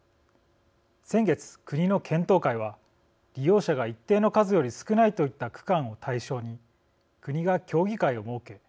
先月、国の検討会は利用者が一定の数より少ないといった区間を対象に国が協議会を設け